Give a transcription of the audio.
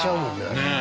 ねえ。